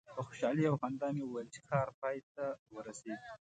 په خوشحالي او خندا مې وویل چې کار پای ته ورسید.